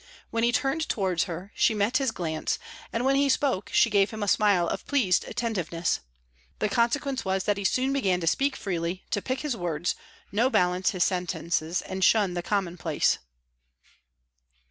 When he turned towards her she met his glance, and when he spoke she gave him a smile of pleased attentiveness. The consequence was that he soon began to speak freely, to pick his words, no balance his sentences and shun the commonplace.